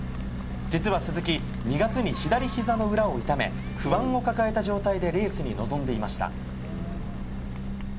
実は鈴木２月に左ひざの裏を痛め不安を抱えた状態でレースに臨んでいました。